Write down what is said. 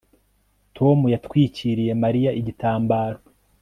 Tom yatwikiriye Mariya igitambaro